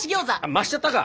増しちゃったか。